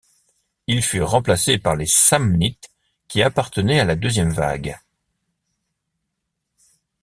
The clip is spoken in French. Ils furent remplacés par les Samnites, qui appartenaient à la deuxième vague.